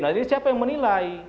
nah jadi siapa yang menilai